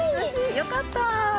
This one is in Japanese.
よかった。